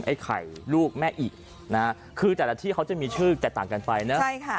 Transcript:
ไอ้ไข่ลูกแม่อินะฮะคือแต่ละที่เขาจะมีชื่อแตกต่างกันไปเนอะใช่ค่ะ